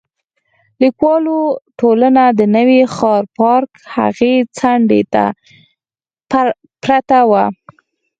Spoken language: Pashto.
لیکوالو ټولنه د نوي ښار پارک هغې څنډې ته پرته وه.